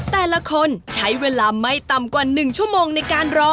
แต่ละคนใช้เวลาไม่ต่ำกว่า๑ชั่วโมงในการรอ